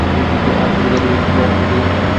আর তুমি দাঁড়িয়ে মজা নিচ্ছো?